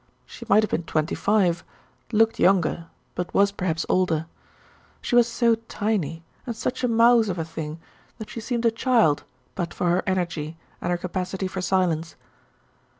She might have been twenty five, looked younger, but was perhaps older. She was so tiny, and such a mouse of a thing that she seemed a child, but for her energy, and her capacity for silence.